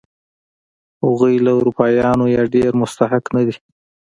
هغوی له اروپایانو یې ډېر مستحق نه دي.